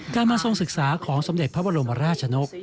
มาทรงศึกษาของสมเด็จพระบรมราชนก